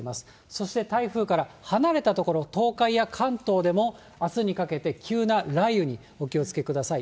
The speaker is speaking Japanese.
そして、台風から離れた所、東海や関東でも、あすにかけて、急な雷雨にお気をつけください。